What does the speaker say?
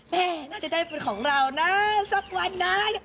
แม่น่าจะได้เป็นของเรานะสักวันนะ